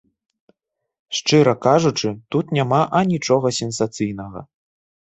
Шчыра кажучы, тут няма анічога сенсацыйнага.